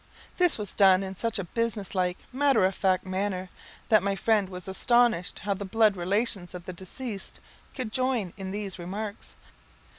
This was done in such a business like matter of fact manner, that my friend was astonished how the blood relations of the deceased could join in these remarks.